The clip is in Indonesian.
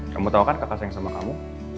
kamu tau kan kakak sayang sama kamu